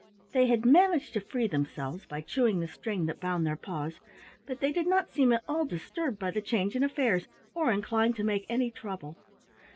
They had managed to free themselves by chewing the string that bound their paws, but they did not seem at all disturbed by the change in affairs or inclined to make any trouble.